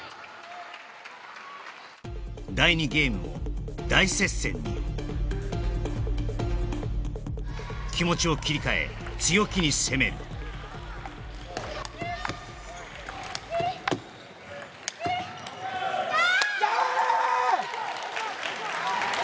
第２ゲームも大接戦に気持ちを切り替え強気に攻めるヤー！